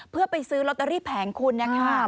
เพื่อไปซื้อรอตาลีแผงคุณนะคะ